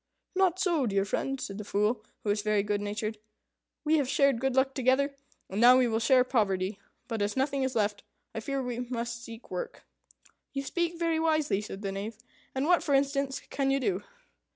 "Not so, dear friend," said the Fool, who was very good natured; "we have shared good luck together, and now we will share poverty. But as nothing is left, I fear we must seek work." "You speak very wisely," said the Knave, "And what, for instance, can you do?"